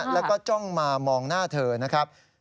แล้วก็จ้องมามองหน้าเธอนะครับ